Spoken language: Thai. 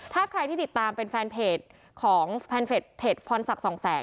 ถ้าใครที่ติดตามเป็นแฟนเพจของแฟนเพจพรศักดิ์สองแสง